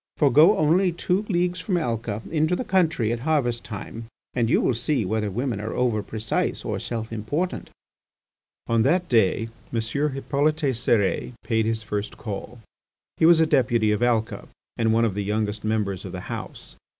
For go only two leagues from Alca into the country at harvest time, and you will see whether women are over precise or self important." On that day M. Hippolyte Cérès paid his first call. He was a Deputy of Alca, and one of the youngest members of the House.